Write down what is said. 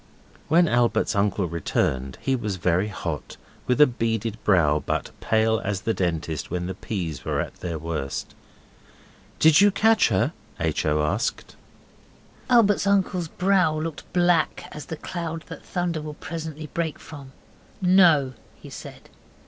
When Albert's uncle returned he was very hot, with a beaded brow, but pale as the Dentist when the peas were at their worst. 'Did you catch her?' H. O. asked. Albert's uncle's brow looked black as the cloud that thunder will presently break from. 'No,' he said.